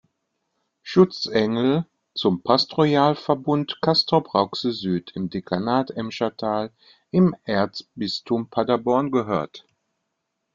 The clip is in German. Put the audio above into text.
Schutzengel zum "Pastoralverbund Castrop-Rauxel Süd" im Dekanat Emschertal im Erzbistum Paderborn gehört.